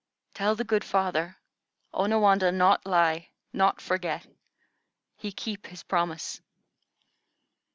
Tell the good father, Onawandah not lie, not forget. He keep his promise."